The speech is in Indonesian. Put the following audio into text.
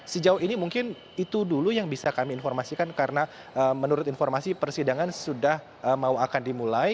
sejauh ini mungkin itu dulu yang bisa kami informasikan karena menurut informasi persidangan sudah mau akan dimulai